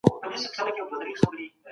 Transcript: مجرد کس د ځان او کور د خدمت لپاره واده کوي